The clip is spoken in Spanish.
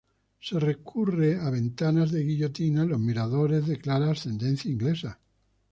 Se recurre a ventanas de guillotina en los miradores, de clara ascendencia inglesa.